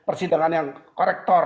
dan persidangan yang korektor